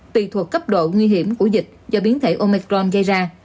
tùy thuộc cấp độ nguy hiểm của dịch do biến thể omicron gây ra